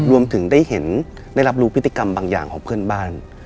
รวมถึงได้เห็นได้รับรู้พฤติกรรมบางอย่างของเพื่อนบ้าน